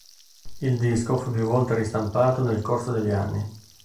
Il disco fu più volte ristampato nel corso degli anni.